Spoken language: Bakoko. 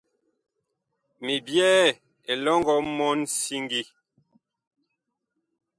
Mi byɛɛ elɔŋgɔ mɔɔn siŋgi.